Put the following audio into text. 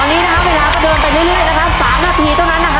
ตอนนี้นะครับเวลาก็เดินไปเรื่อยนะครับ๓นาทีเท่านั้นนะครับ